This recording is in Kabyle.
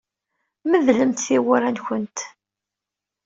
Medlemt tiwwura-nwent.